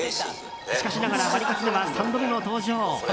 しかしながらワリカツでは３度目の登場。